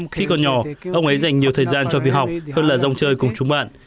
khi còn nhỏ ông ấy dành nhiều thời gian cho việc học hơn là dòng chơi cùng chúng bạn